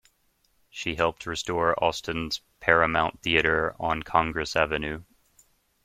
She helped restore Austin's Paramount Theatre on Congress Avenue.